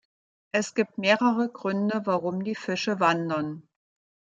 Es gibt mehrere Gründe, warum die Fische wandern.